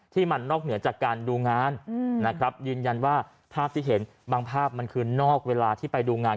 ที่มันนอกเหนือจากการดูงานนะครับยืนยันว่าภาพที่เห็นบางภาพมันคือนอกเวลาที่ไปดูงาน